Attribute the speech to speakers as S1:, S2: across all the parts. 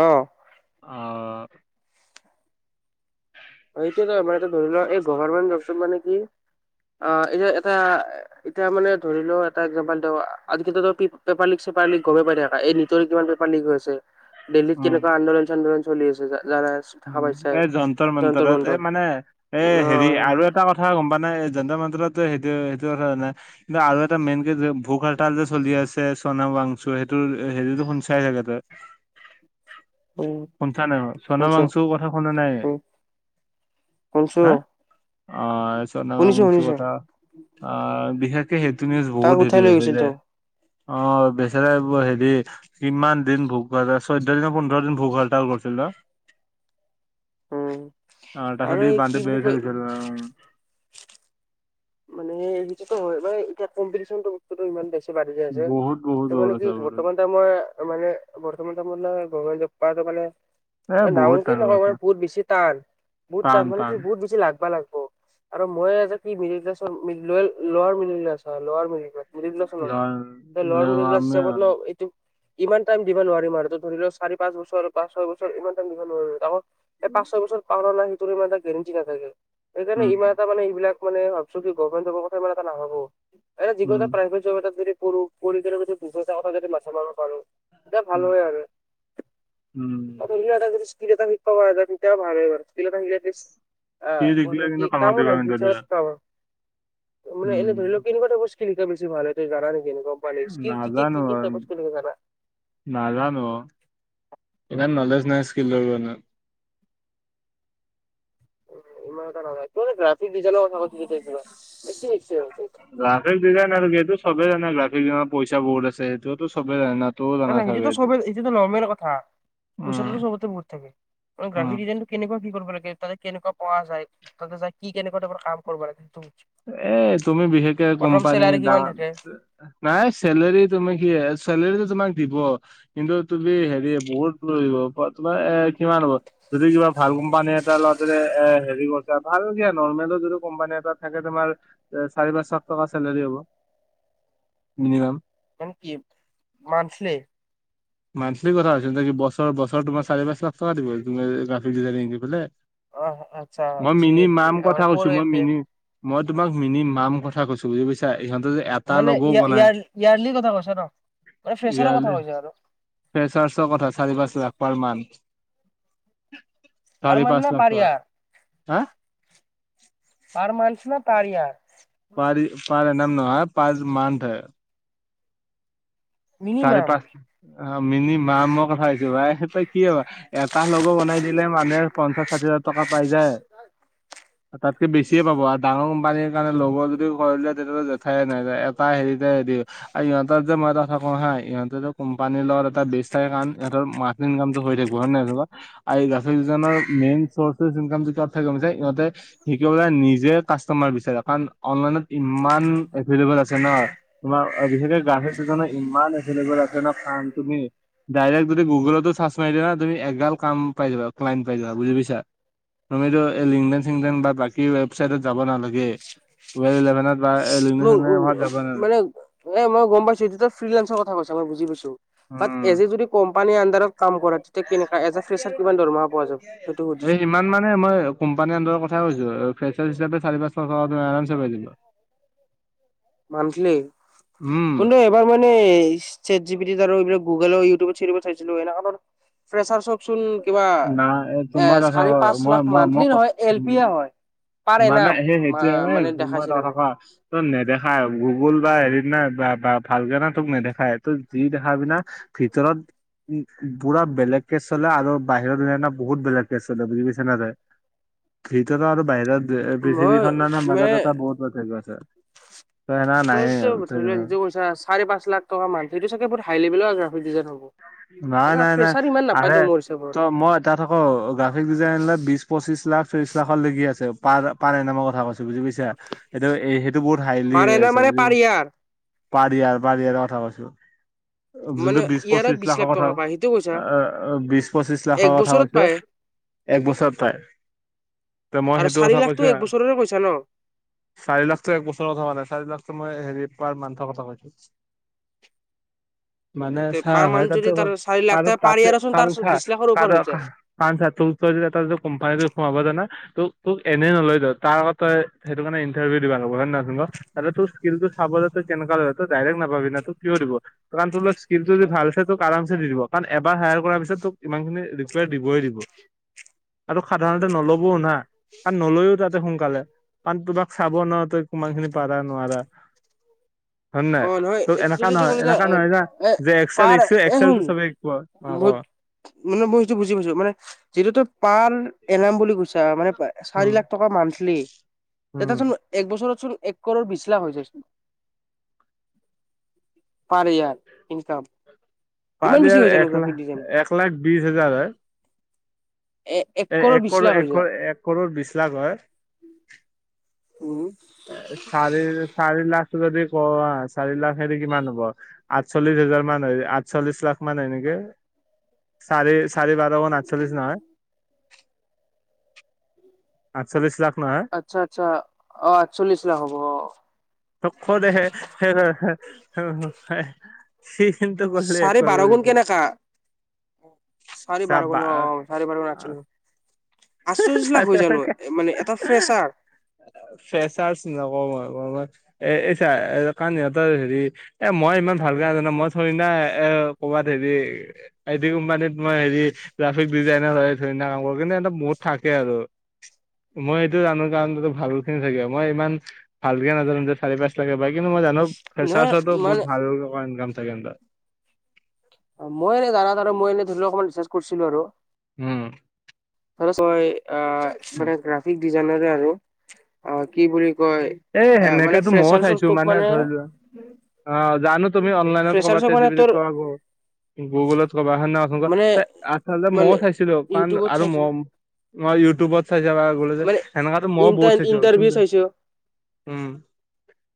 S1: অঁ
S2: অঁ
S1: এতিয়া ত আমাৰ এতিয়া ধৰি লোৱা, এই গভমেণ্ট জবটোত মানে কি অঁ এ যে এটা এতিয়া মানে ধৰি লওঁ এটা একজাম্পল দেও আজি ক্ষেত্ৰত তই পালি? পেপাৰ লিগ হয় গমে পাই থাকা। এই নীটৰ কিমান পেপাৰ লিক হৈছে আছে, দেলহিত
S2: উম
S1: কেনকুৱা আন্দলন চন্দোলন চলি আছে যাৰ ৰাজ
S2: উম এ যন্ত্ৰৰ মন্তৰত এ মানে এ হেৰি
S1: অ',
S2: আৰু এটা কথা গম পা না এই জন্ত্ৰ মন্তত যে সেইটো সেইটো কথা জানা কিন্তু আৰু এটা মেইন কে যে ভোক হৰতাল যে চলি আছে চনাম ৱাঙচু সেইটো সেইটো সেৰিটো শুনচাই চাগে। বে
S1: [unintelligible]
S2: শুনাচা নাই বাৰ চনম
S1: শুনছো
S2: ৱাঙচু কথা শুনা নাই,
S1: উম, শুনছো
S2: হা? অঁ ছনাম
S1: শুনিছো
S2: ৱাঙচু
S1: শুনিছো
S2: কথা বিশেষ সে সেইটো নিউজ
S1: তাক
S2: বহুত হেৰি
S1: উঠাই লৈ
S2: হৈছে
S1: গৈছিল
S2: যে
S1: তো
S2: অঁ বেচৰাই বো হেৰি কিমান দিন ভোগহৰটা চৈধ্য দিন, পোন্ধৰ দিন ভোগ হৰটাল কৰিছিল ন
S1: উম,
S2: অ তাৰপিছত
S1: আৰু
S2: ই
S1: এই
S2: বান্ধি
S1: কি
S2: বেহুচ
S1: বুলি
S2: হৈ
S1: কয়
S2: গৈছিল অ,
S1: মানে এ এইটো হয় বা এতিয়া কম্পিটিচনটো বস্তুটো ইমান বেচি বাঢ়ি যায় যে,
S2: বহুত
S1: ত
S2: বহুত বহুত
S1: মানে কি
S2: আছে বহুত।
S1: বৰ্তমান ত মই মানে বৰ্তমান টাইমত নে গমেণ্ট জব পোৱাটো মানে
S2: এ
S1: মানে
S2: বহুত
S1: ডাঙৰকেই
S2: টান
S1: নকওঁ
S2: কথা
S1: মানে বহুত বেছি টান বহুত টান মানে তুমি বহুত বেছি লাগবা লাগব আৰু মই এযে কি মিডিল ক্লাছৰ loyal lower middle class lower middle ক্লাছৰ। মিডিল ক্লছো
S2: ল-
S1: নহয় লৱাৰ
S2: ল-
S1: মিডিল ক্লাছ
S2: আমি
S1: হিচাপত ন টো ইমান টাইম দিব নোৱাৰিম আৰু ত ধৰি ল' চাৰি পাঁচ বছৰ পাচ ছয় বছৰ ইমান টাইম দিব নোৱাৰিম তাকো এই পাঁচ ছয় বছৰ পাঁও নে নাই সেইটোৰ ইমানটা গেৰেণ্টি নাথাকে সেইকাৰণে ইমান
S2: উম
S1: এটা মানে এইবিলাক মানে ত' কি গভমেন জবৰ কথা ইমান এটা নাভাবো এনে যিকোনো
S2: উম
S1: এটা প্ৰাইভেট জৱ এটা যদি কৰো, কৰি কেনে যদি [unintelligible] কথা যদি মাথা মাৰব পাৰো দে ভাল
S2: উম
S1: হয় আৰু
S2: উম
S1: সৰু এটা যদি স্কিল এটা যদি শিকিব পাৰা যায় তেতিয়াও ভাল হয় আৰু স্কিল এটা শিকিলে ৰিচ
S2: সি
S1: এঁ
S2: শিকিলে
S1: হ'লে কি
S2: কিন্তু কামত
S1: কামৰ
S2: দিব
S1: আছ
S2: কিন্তু দে
S1: বিচাৰত কামৰ মানে
S2: উম
S1: এনে ধৰি লওঁক কেনেকোৱা টাইপৰ স্কিল শিকা বেছি ভাল হয়, তই জানা নি কেনে কোৱা স্কিল কি কি
S2: নাজানো
S1: কিনি
S2: আৰু,
S1: তাৰ পৰা [unintelligible] জানা
S2: নাজানো অঁ ইমান নলেজ নাই স্কিলৰ মানে।
S1: ইমান এটা নাযায়, তোমাৰ এই ৰাতি বিজনৰ কথা কৈছে যে তোমাৰ, বেছি আইছে
S2: গ্ৰাফিক ডিজাইন আৰু কি এইটো চবে জানে গ্ৰাফিকনত পইচা বহুত আছে, সেইটো চবে জানাত
S1: নাই নাই সেইটোত সবে সেইটোত নৰমেল কথা
S2: উম
S1: পইচাতো সবতে বহুত থাকে মানে
S2: উম
S1: গ্ৰাফিক ডিজাইনটো কেনেকুৱা কি কৰিব লাগে, তাতে কেনেকুৱা পৰা যায় তাতে যাই কি কেনেকোৱা কাম কৰিব লাগে সেইটো
S2: এই তুমি বিশেষকে
S1: প্ৰথম
S2: কোম্পানী
S1: চেলাৰী
S2: দা
S1: কিমান থাকে
S2: নাই চেলেৰি তুমি কি এ চেলেৰিটো ত তোমাক দিব। কিন্তু তুমি হেৰি বহুত লৈ ল'ব পা তোমাৰ এ কিমান হ'ব যদি কিবা ভাল কোম্পানী এটা লওঁতে এ হেৰি কৰিছা ভাল দিয়া নৰ্মেলো যদি কোম্পানী এটা থাকে তোমাৰ এ চাৰি পাঁচ লাখ টকা চেলাৰী হ'ব মিনিমাম।
S1: মানে কি মান্থলি
S2: মান্থলি কথা হৈছে নেকি বছৰ বছৰ তোমাৰ চাৰি পাচ লাখ টকা দিব তুমি গ্ৰাফিক ডিজাইনিং দিব পাৰিলে
S1: অ আচ্ছা
S2: মই
S1: থ্ৰী
S2: মিনি
S1: এল পি
S2: মাম কথা
S1: ফ'ৰ
S2: কৈছো
S1: এল
S2: মই
S1: পি
S2: মিনি মই তোমাক মিনি মাম কথা কৈছো বুজি পাইছা ইহঁতে যে এটা
S1: মানে
S2: লগ'ও
S1: ইয়াৰ
S2: বনাই
S1: ইয়া ইয়াৰ্লি কথা কৈছ ন মানে ফ্ৰেচাৰৰ কথা কৈছে আৰু
S2: ফেচাৰ্চৰ কথা চাৰি পাঁচ লাখ পাৰ মান্থ
S1: পাৰ
S2: চাৰি
S1: মান
S2: পাঁচ
S1: না
S2: লাখ
S1: পাৰ
S2: টকা
S1: ইয়াৰ
S2: হা
S1: পাৰ মান্থ না পাৰ য়াৰ
S2: পাৰি পাৰ য়াৰ নহয় পাৰ মান্থ হয় চাৰে
S1: মিনিমাম
S2: পাঁচ আ মিনিমামৰ কথা কৈছো ভাই তই কি ভবা এটা ল'গ বনাই দিলে মানুহে পঞ্চাশ ষাঠি হাজা টকা পাই যায় তাতকে বেছিয়ে পাব আৰ ডাঙৰ কোম্পানীৰ কাৰণে ল'গ যদি কৰি দে তেতিয়াহ'লে লেঠাই নাই এটা হেৰিতে দিয়ে আ সিহতত যে মই এটা হা অ হয় ইহঁতেতো কোম্পানীৰ লগত এটা বেছ থাকে কাৰণ ইহতৰ মান্থলি ইনকামটো হৈ থাকিব হয়নে নাই তই ক আৰ এই গাছৰ ইজনৰ মেইন চৰ্টেজ ইনকম যদি তাতছে কমি যাই ইহতে কি কৰে নিজে কাষ্টমাৰ বিচাৰে কাৰণ অনলাইনত ইমান এভেএবল আছে ন তোমাৰ বিশেষকে গ্ৰাহক দুজনে ইমান এভেএবল আছে ন কাম তুমি ডাইৰেক্ট যদি গুগলতো চাৰ্চ মাৰি দিবা তুমি এগাল কাম পাই যাবা ক্লাইণ্ট পাই যাব বুজি পাইছা তুমিতো এই লিংটেন চিংটেন বা বাকী ৱেবচাইটত যাব নালাগে টুৱেল ইলেভেনত বা লিংডেন
S1: উ
S2: চিংডেনত যাব নালাগে
S1: মানে এ মই গম পাইছো এইটোত ফ্ৰিলেচৰ কথা কৈছা মই বুজি পাইছো বাট
S2: উম
S1: এজ এ যদি কোম্পানীৰ আণ্ডাৰক কাম কৰা তেতিয়া কেনেকা এজ ফেচাৰ কিমান দৰমহা পোৱা যাব সেইটো সুধিছো
S2: ইমান মানে মই কম্পানীৰ আণ্ডাৰ কথা কৈছো ফেচাচ হিচাপে চাৰি পাঁচ লাখ টকা আৰামচে পাই যাবা
S1: মান্থলি
S2: উম
S1: কোনটো এপ এবাৰ মানে চেট জিপিতিত আৰু এইবিলাক গুগলৰ ইউটিউবত চিউটোবত চাইছিলো এনেকাত ফ্ৰচাৰ্চক চোন কিবা
S2: না
S1: এ
S2: তোমাৰ কথা
S1: চাৰি
S2: ক-
S1: পাঁচ
S2: মই
S1: লাখ
S2: মই মই
S1: মান্থলি
S2: ক-
S1: নহয় এল পি এ হয়
S2: মানে
S1: পাৰএনাম মা মানে দেখাইছিলেগৈ
S2: ত নেদেখাই গুগুল বা হেৰিত নাই বা বা ভালকেনে তোক নেদেখায় ত যি দেখা পিনা ভিতৰত উ পুৰা বেলেগকে চলে আৰু বাহিৰৰ দুনীয়াত ন বহুত বেলেগকে চলে বুজি পাইছ নাই তই ভিতৰৰ আৰু বাহিৰত যে এ
S1: মই
S2: পৃথিৱীখননান মাজত
S1: মানে
S2: এটা বহুত পাৰ্থক্য আছে ত এনা নাই এ আৰু
S1: চাৰে পাঁচ লাখ টকা মান্থলি এটো চাগে বহুত হাই লভেলৰ আণ্ডা ডিজাইন হব
S2: নাই
S1: এটা
S2: নাই নাই
S1: ফ্ৰেচাৰ ইমান
S2: আৰে
S1: নাপায়তো মোৰ
S2: ত
S1: হিচাপত
S2: মইত তাত আকৌ গ্ৰাফিক ডিজাইনৰ বিছ পঁচিশ লাখ ত্ৰিশ লাখৰ লগি আছে পাৰ পাৰ এনেমৰ কথা কৈছ ত বুজি পাইছা সেইটো সেইটো বহুত হাইলি
S1: পাৰ এনাৰ
S2: আছে
S1: মানে
S2: বুজি প
S1: পাৰ ইয়াৰ।
S2: পাৰ য়াৰ পাৰ য়াৰৰ কথা কৈছো যোনটো
S1: মানে
S2: বিছ
S1: ইয়াৰত
S2: পঁচিছ
S1: বিশ
S2: লাখৰ
S1: লাখ
S2: কথা
S1: টকা পায় সেইটো কৈছা
S2: আহ বিছ পঁচিছ
S1: এক
S2: লাখৰ কথা
S1: বছৰত
S2: কৈছো
S1: পায়
S2: এক বছৰত পাই ত মই
S1: আৰু
S2: সেইটো
S1: চাৰি
S2: কথা
S1: লাখটো
S2: কৈছো
S1: এক
S2: এ
S1: বছৰৰে কৈছা ন।
S2: চাৰি লাখটো এক বছৰৰ হোৱা নাই চাৰি লাখটো মই হেৰি পাৰ মান্থ'ৰ কথা কৈছো মানে
S1: তে পাৰ
S2: চাৰ
S1: মান্থ
S2: হেত
S1: যদি
S2: তাতে
S1: তাৰ
S2: কৰ,
S1: চাৰি লাখ ত
S2: আৰু
S1: পাৰ
S2: তাতে
S1: ইয়াৰচোন তাৰ
S2: কাৰোতহা
S1: বিশ লাখৰ ওপৰ
S2: কাৰো
S1: হৈ যায়।
S2: কাৰণ চা তোৰ তই যদি তই যদি কোম্পানীত সোমাব যাৱ না তোক তোক এনেই নলয়টো তাৰ আগত তই সেইটো কাৰণে ইণ্টাৰভিউ দিব লাগিব হয় নে নহয় ত [unintelligible] আৰু তোৰ স্কিলটো চাবলৈ তই কেনেকা তই ডাইৰেক্ট নাপাবি ন তোক কিয় দিব কাৰন তোৰ লগত স্কিলটো যদি ভাল তোক আৰামছে দি দিব কাৰণ এবাৰ হায়াৰ কৰাৰ পিছত তোক ইমান খিনি ৰিকয়াৰ দিবই দিব আৰু সাধাৰণতে নলবও না কাৰণ নলয়ও তাতে সোনকালে কাৰণ তোমাক চাব ন তই কিমান খিনি পাৰা নোৱাৰা হয়
S1: অ
S2: নাই
S1: নহয়
S2: তোৰ
S1: এইটো
S2: এনেকা
S1: যদি
S2: নহয়
S1: কলে যে
S2: এনেকা নহয় না
S1: এ
S2: যে এক্সেল
S1: পাৰ
S2: শিকছো
S1: এ
S2: এক্সেলটো
S1: শুন
S2: চবে শিকোৱাব
S1: মই মানে মই সেইটো বস্তটো বুজি পাইছো মানে যিটো পান এনাম বুলি কৈছা মানে চাৰি
S2: উম
S1: লাখ টকা মান্থলি তেতিয়াচোন
S2: উম
S1: এক বছৰতচোন এক কৰৰ বিছ লাখ হৈ যায়ছোন পাৰ ইয়াৰ ইনকাম
S2: পাৰ
S1: ইমান
S2: ইয়াৰ
S1: বেছি হৈ
S2: এক
S1: জানো
S2: লাখ
S1: গ্ৰাফিক ডিজাইন
S2: এক লাখ বিছ হাজাৰ হয় এ
S1: কৰৰ
S2: এক
S1: বিশ লাখ হৈ
S2: এক
S1: যায়
S2: কৰ এক কৰৰ বিছ লাখ হয়
S1: উম
S2: এ চাৰি চাৰি লাখ যদি কও চাৰি লাখহে দি কিমান হব আঠচল্লিছ হেজাৰ মান হয় আঠচল্লিছ লাখ মান হয় নেকি চাৰি চাৰি বাৰ গুন আঠচল্লিছ নহয় আঠচল্লিছ লাখ নহয়
S1: আচ্ছা আচ্ছা অ আঠচল্লিছ লাখ হ'ব অ
S2: খ দেহে হে হে হে হে সেইখিনিতে
S1: চাৰে বাৰ
S2: [unintelligible]
S1: চাৰি বাৰ গুন অ অ চাৰি বাৰ গুন আঠচল্লিছ আঠচল্লিছ লাখ হয় জানো মানে এটা ফ্ৰেছাৰ
S2: ফ্ৰেচাচ নকওঁ মই এ চা কাৰন ইহঁতৰ হেৰি এ মই ইমান ভালকে নাজানো মই থৰি না এ কবাত হেৰি আইটি কোম্পানীত মই হেৰি গ্ৰাফিক ডিজাইনৰ হয় থৰি না কাম কৰো কিন্তু এটা থাকে আৰু মই এইটো জানো কাৰণ ভাল খিনি থাকিব মই ইমান ভালকে নাজানো যে চাৰি পাঁচ লাখে পায় কিন্তু মই জানো
S1: নহয়
S2: ফ্ৰেছাৰ্চটো
S1: মানে
S2: বহুত ভালটকা ইনকাম থাকে ইহতৰ
S1: মই এনে নাজানো আৰু মই এনে ধৰি লো অকমান ৰিছাৰ্জ কৰিছিলো আৰু
S2: উম
S1: ধৰা তই অ মানে গ্ৰাফিক ডিজাইনাৰে আৰু অ কি বুলি কয়
S2: এ
S1: মানে
S2: সেনেকেতো ময়ো
S1: ফ্ৰেচাৰচক
S2: খাইছো
S1: তোক
S2: মানে ধৰি লোৱা অ জানো তুমি অনলাইনত কবা
S1: ফ্ৰেচাৰচক
S2: চাই
S1: মানে
S2: যিবি
S1: তোৰ
S2: কোৱা ক গুগলত ক'বা হয় নহয় কচোন
S1: মানে
S2: আ
S1: মানে
S2: মইয়ো চাইছিলো কাৰণ
S1: ইউটিউবত
S2: আৰু
S1: চাইছো
S2: মই মই ইউটিউবত চাইছো
S1: মানে
S2: সেনেকা মই বহুত
S1: ইণ্টাৰ
S2: চাইছো
S1: ইণ্টাৰভিউ
S2: কিন্তু
S1: চাইছো
S2: উম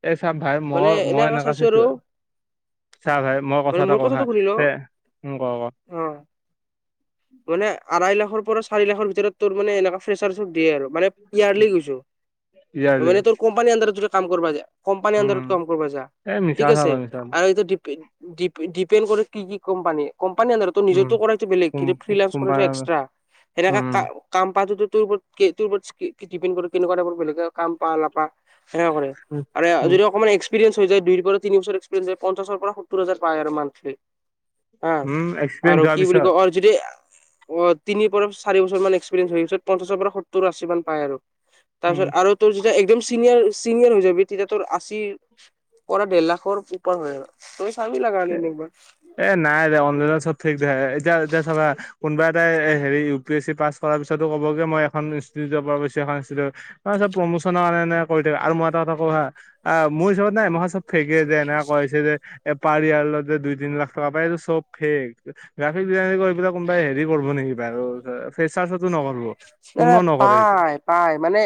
S2: এই চাব ভাই মই মই এনেকা চাইছো চাহ ভাই মই কথা
S1: মানে
S2: এটা
S1: মোৰ
S2: কওঁ হা
S1: কথাটো শুনি ল
S2: তে উম ক ক
S1: অ মানে আঢ়ৈ লাখৰ পৰা চাৰি লাখৰ ভিতৰত তোৰ মানে এনেকা ফ্ৰেছাৰ্চক দিয়ে আৰু মানে কিয়াৰলি কৈছো
S2: ইয়াৰলি
S1: মানে তোৰ কোম্পানী আন্দাৰত যদি কাম কৰবা যায় কোম্পানী আন্দাৰত
S2: উম
S1: কাম কৰিব যা
S2: এই মিছা
S1: ঠিক
S2: কথা
S1: আছে
S2: কয় মিছা
S1: আৰু এইটো ডিপে ডিপেণ্ড কৰে কি কি কোম্পানী কোম্পানী আন্দাৰত তো নিজৰটো কৰাটো বেলেগ
S2: উম
S1: কিন্তু ফ্ৰী লাঞ্চ কৰাটো
S2: কোম্পানী
S1: এক্সট্ৰা সেনেকা
S2: উম
S1: কাম কাম পাতটো তোৰ ওপৰত তোৰ ওপৰত ডিপেণ্ড কৰে কেনেকুৱা টাইমৰ বেলেগে কাম লা পা সেনেকা কৰে আৰু
S2: উম
S1: যদি অকণমান এক্সপিৰিয়েঞ্চ হৈ যায় দুইৰ পৰা তিনি বছৰ এক্সপিৰিয়েঞ্চ হয় পঞ্চাশৰ পৰা সত্তৰ হাজাৰ পায় আৰু মান্থলি হা
S2: উম
S1: আৰু
S2: এক্সপিৰিয়েঞ্চ হোৱাৰ
S1: কি বুলি
S2: পিছত
S1: ক‌য় অ যদি অ' তিনি পৰা চাৰি বছৰমান এক্সপিৰিয়েঞ্চ হয় পঞ্চাছৰ পৰা সত্তৰ আশী মান পায় আৰু।
S2: উম
S1: তাৰপিছত আৰু তোৰ যেতিয়া একদম চিনিয়ৰ চিনিয়ৰ হৈ যাবি তেতিয়া তোৰ আশীৰ পৰা দেৰ লাখৰ ওপৰ হয়। তই চাবি লাগা হ'লে এনে একবাৰ।
S2: এ নাই অঞ্জনে চব ঠিক [unintelligible] এতিয়া এতিয়া চাবা হা কোনোবা এটা হেৰি ইউ পি এছি পাছাৰ পিছতো কব কি মই এইখন ইনষ্টটিউটৰ পৰা কৰিছো সেখন ইনষ্টিউটৰ পৰা কৰিছো। তাৰপাছত প্ৰমোচনৰ কাৰণে কৰি থাকে। আৰু মই এটা কথা কওঁ হা আহ মোৰ হিচাপত না মই চব ফেকে যে এনেক কৈছে যে এ পাৰিয়াৰতে দুই তিনি লাখ টকা পায় এইটো চব ফেক। গাফিৰ বিলাই কৰি এইবিলাক কোনোবাই হেৰি কৰিব নেকি বাৰু ধৰ ফ্ৰেছাৰ্ছটো নকৰিব।
S1: নাই
S2: কোনো নকৰে এইটো
S1: পাই পাই মানে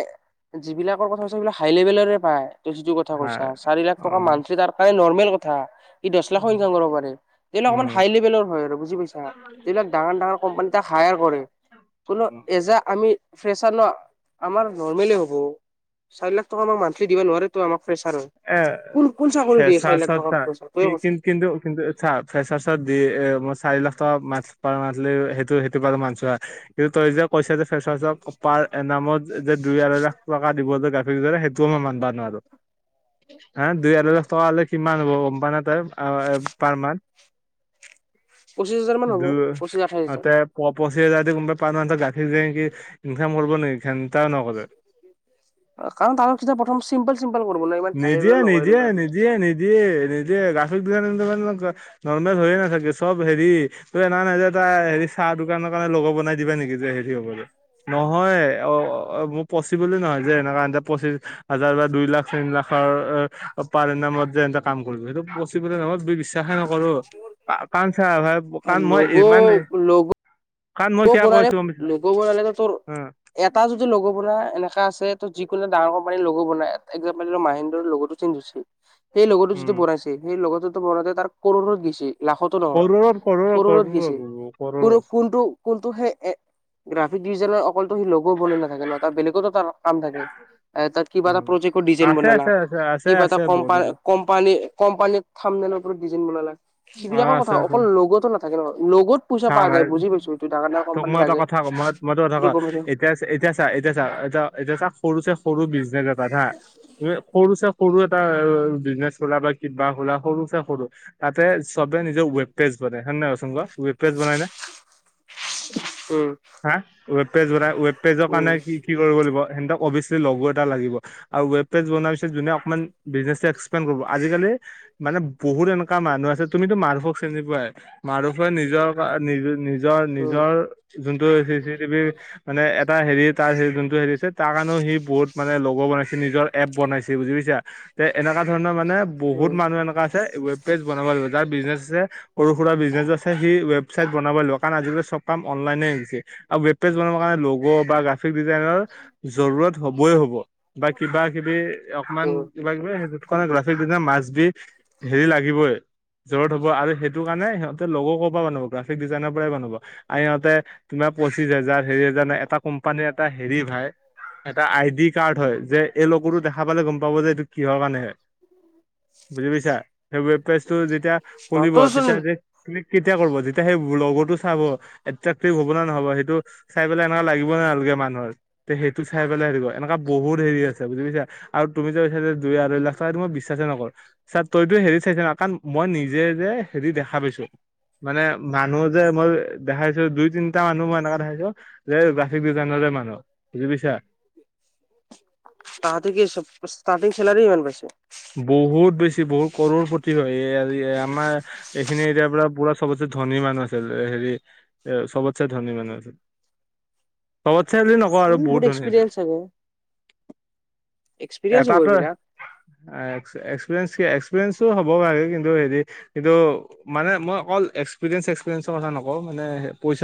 S1: যিবিলাকৰ কথা কৈছোঁ, সেইবিলাক হাই লেভেলৰে পায়। তই যিটো কথা কৈছা
S2: হয়
S1: চাৰি লাখ
S2: অ
S1: টকা মান্থলি তাৰ কাৰণে নৰ্মেল কথা। ই দহ লাখো ইনকাম কৰিব পাৰে, যিবিলাক অকমান
S2: উম
S1: হাই লেভেলৰ হয় আৰু বুজি পাইছা? যিবিলাক ডাঙৰ ডাঙৰ কোম্পানী তাক হায়াৰ কৰে। কোনো এজা আমি ফ্ৰেছাৰ ন আমাৰ নৰ্মলে হ'ব, চাৰি লাখ টকা আমাক মান্থলি দিব নোৱাৰে টো আমাক ফ্ৰেছাৰৰ।
S2: এ
S1: কোন কোন চাকৰিত দিয়ে ছয় লাখ
S2: ফ্ৰেচাৰ্চত
S1: টকা
S2: তাৰ
S1: পৈছা তইয়ে ক'চোন?
S2: কিন্তু কিন্তু কিন্তু চা ফ্ৰেছাৰ্ছত দি এ মই চাৰি লাখ টকা মন্থলি পাৰ মন্থলি সেইটো সেইটো বাৰু মানিছো হা। কিন্তু তই যে কৈছে যে ফ্ৰেছাৰ্ছক পাৰ এ নামত যে দুই আঢ়ৈ লাখ টকা দিবলৈ গাফিৰ কৰে সেইটোও মই মানবা নোৱাৰো। হা দুই আঢ়ৈ লাখ টকা হলে কিমান হ'ব গম পাও না তই পাৰ মন্থ?
S1: পঁচিছ হাজাৰ মান
S2: দু
S1: হ'ব পঁচিছ আঠাইছ
S2: অ
S1: হাজাৰ।
S2: তে প পঁচিছ হাজাৰ দি কোনোবাই [unintelligible] গাফিৰ কি ইনকাম কৰিব নেকি ঘেন্তও নকৰে।
S1: কাৰণ তাৰ যিটো প্ৰথম চিম্পল চিম্পল কৰিব লাগিব, ইমান হাই
S2: নিদিয়ে
S1: লেভেলত নকৰিব
S2: নিদিয়ে
S1: না।
S2: নিদিয়ে নিদিয়ে নিদিয়ে গ্ৰাফিক ডিজাইন নৰ্মেল হৈয়ে নাথাগে চব হেৰি ত এনা নাই যে তাৰ হেৰি চাহ দোকানৰ কাৰণে লগৰ বনাই দিবা নেকি যে হেৰি হব নহয় অ মোৰ পচিবলে নহয় যে এনে কাৰণ পঁচিছ হাজাৰ বা দুই লাখ তিন লাখৰ পাৰ নামত যে এটা কাম কৰিব সেইটো পচিবলে নহয়। বিশ্বাসে নকৰো কাৰণ চা ভাই কাৰণ মই ইমান
S1: লগ' লগ'
S2: কাৰণ মই কিয় কৈছো অ
S1: [unintelligible] লগ বনালেটো তোৰ এটা যদি লগ বনাই এনেকা আছে ত' যিকোনো ডাঙৰ কোম্পানীৰ লগ বনাই এক্সম্প্ল দিলো মাহেন্দ্ৰা লগতো [unintelligible] সেই লগতো যদি
S2: উম
S1: বনইছে সেই লগতটো বনাওতে তাৰ ক'ৰৰত গৈছে। লাখতো নহয়
S2: কৰোৰত কৰোৰ
S1: ক'ৰৰত গৈছে,
S2: কৰোৰত
S1: কোনো
S2: কৰোৰত
S1: কোনটো কোনটো সেই এ গ্ৰাফিক ডিজাইননৰ অকল সি লগ বনাই নাথাকে ন তাৰ বেলেগতো তাৰ কাম থাকে, তাত কিবা এটা
S2: উম
S1: প্ৰজেক্টৰ ডিজাইন
S2: আছে
S1: বনালা
S2: আছে আছে আছে
S1: কিবা এটা
S2: আছে
S1: ক
S2: বহুত আছে
S1: কম্পানী কোম্পানীৰ থাম্বনেইল ওপৰত ডিজাইন বনালা,
S2: অ
S1: সেইবিলাকো কথা
S2: আছে আছে
S1: অকল লগতো না তাকে ন লগত পইচা
S2: চা
S1: পা যায়
S2: ভাই
S1: বুজি পাইছো। এইটো ডাঙৰ ডাঙৰ
S2: তোক
S1: কোম্পানী
S2: মই এটা
S1: লাগে।
S2: কথা কম মই তোৰ কথা
S1: সেইটো
S2: কওঁ
S1: গম পাইছো
S2: এতিয়া এতিয়া এতিয়া চা এতিয়া চা এতিয়া চা সৰু চে সৰু বিজনেছ এটা হা সৰু চা সৰু এটা বিজনেচ হলা বা কিবা হলা সৰু চে সৰু তাতে চবে নিজৰ ৱেব পেজ বনাই হয় নাই কোৱা চোন কোৱা ৱেব পেজ বনাই ন
S1: উম
S2: হা? ৱেব পেজ বনাই ৱেব পেজৰ
S1: উম
S2: কাৰণে কি কি কৰিব লাগিব সিহঁতক অবিয়েচলী লগ' এটা লাগিব আৰু ৱব পেজ বনোৱাৰ পিছত যোনে অকমান বিজনেচ এক্সপ্লেইন কৰিব আজিকালি মানে বহুত এনেকা মানুহ আছে তুমিতো মানুহক চিনি পোৱাই। মানুহবোৰে নিজৰ নিজৰ নিজৰ
S1: উম
S2: নিজৰ যোনটো চি চি টিভিৰ মানে এটা হেৰি তাৰ হেৰি যোনটো এৰিছে তাৰ কাৰণেও সি বহুত মানে লগৰ বনাইছে নিজৰ এপ বনাইছে বুজি পাইছ তে এনেকুৱা ধৰণৰ মানে। বহুত
S1: উম
S2: মানুহ এনেকা আছে ৱেব পেজ বনাব লাগিব যাৰ বিজনেচ আছে সৰু সুৰা বিজনেছো আছে সি ৱেবচাইট। বনাব লাগ কাৰণ আজিকালি চব কাম অনলাইনে আহিছে আৰু ৱেব পেজ বনাবৰ কাৰণে লগ' বা গ্ৰাফিক ডিজাইনৰ। জৰুত হবই হব বা কিবা কিবি অকমান।
S1: উম
S2: কিবা কিবি সেইটোত কাৰণে গ্ৰাফিক দিনা মাছ বি হেৰি লাগিবই। জৰত হব আৰু সেইটো কাৰণে হতে লগ কৰ পৰা বনাব গ্ৰাফিক ডিজাইনৰ পৰাই বনাব। আৰু ইিহঁতে তোমাৰ পঁচিশ হাজাৰ হেৰি হেজাৰ নে এটা কোম্পানীৰ এটা হেৰি ভাই। এটা আই ডি কাৰ্ড হয় যে এই লগ টো দেখা পালে গম পাব যে এইটো কিহৰ কাৰণে হয়। বুজি পাইছা সেই ৱেব পেজটো যেতিয়া খুলিব
S1: তই চোন
S2: তেতিয়া যে। কিল্লিক কেতিয়া কৰিব যেতিয়া সেই লগটো চাব এট্ৰাক্টিভ হব ন নহব সেইটো। চাই পেলাই এনেকুৱা লাগিব নলগে মানুহৰ। তে সেইটো চাই পেলাই হিব এনেকুৱা বহুত হেৰি আছে বুজি পাইছা আৰু তুমি যে কৈছা যে। দুই আঢ় লাখ টকা এইটো মই বিশ্বাসছে নকৰো। ছাৰ তইতো হেৰি চাইছ ন কাৰণ মই নিজে যে হেৰি দেখা পাইছো। মানে মানুহ যে মই দেখাইছো দুই তিনিটা মানুহ মই এনেককাে দেখাইছো। যে গ্ৰাফিক ডিজাইনৰে মানুহ বুজি পাইছা।
S1: তাহতে ষ্টাৰ্টিং চেলাৰি ইমান পাইছে?
S2: বহুত বেছি বহুত কৰৰ পতি হয় এই আমাৰ। এইখিনি এতিয়াৰ পৰা পুৰা চবত সে ধনী মানুহ আছিল এ হেৰি সবতছে ধনী মানুহ আছিল। [unintelligible] সবত চাই বুলি নকওঁ আৰু
S1: ই
S2: বহুত ধনী আছে
S1: এক্সপিৰিয়েঞ্চ চাগে এক্সপিৰিয়েঞ্চ হ'ব
S2: এটাতো।
S1: এইবিলাক।
S2: এক্সপিয়েঞ্চ এক্সপিয়েঞ্চো হ'ব লাগে কিন্তু হেৰি। কিন্তু মানে মই অকল এক্সপিৰিয়েন্ঞ্চ এক্সপিৰিয়েঞ্চৰ কথা নকওঁ মানে পইচা।